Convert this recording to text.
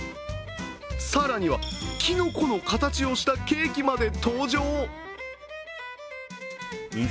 更には、きのこの形をしたケーキまで登場。